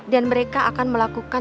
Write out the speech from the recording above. dan mereka akan melakukan